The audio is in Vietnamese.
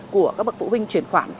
của các bậc phụ huynh chuyển khoản